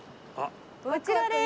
こちらです。